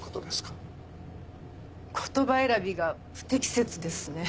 言葉選びが不適切ですね。